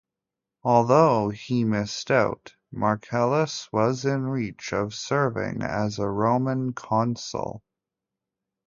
Although he missed out, Marcellus was in reach of serving as a Roman consul.